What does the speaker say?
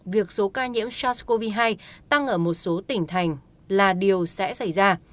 việc số ca nhiễm sars cov hai tăng ở một số tỉnh thành là điều sẽ xảy ra